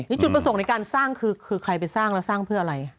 จุดประสงค์ในการสร้างคือใครไปสร้างแล้วสร้างเพื่ออะไร